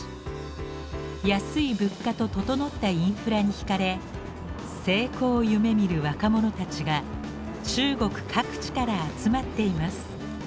安い物価と整ったインフラにひかれ成功を夢みる若者たちが中国各地から集まっています。